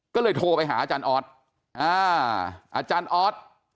ก็เลยโทรไปหาอาจารย์ออสอาจารย์ออส